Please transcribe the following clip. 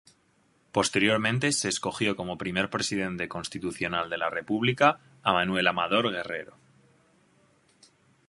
Posteriormente se escogió como primer presidente constitucional de la República a Manuel Amador Guerrero.